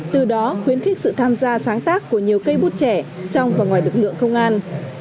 từ đó khuyến khích sự tham gia sáng tác của nhiều cây bút trẻ trong và ngoài lực lượng công an